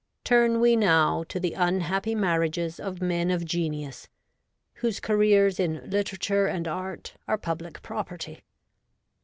Turn we now to the unhappy marriages of men of genius, whose careers in literature and art are public property.